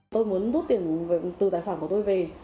tôi muốn rút tiền từ tài khoản của tôi về